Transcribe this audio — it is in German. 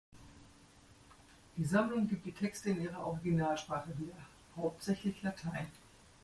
Die Sammlung gibt die Texte in ihrer Originalsprache wieder, hauptsächlich Latein.